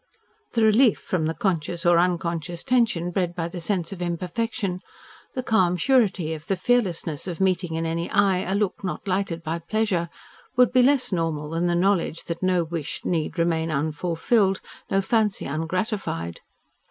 The relief from the conscious or unconscious tension bred by the sense of imperfection, the calm surety of the fearlessness of meeting in any eye a look not lighted by pleasure, would be less normal than the knowledge that no wish need remain unfulfilled, no fancy ungratified.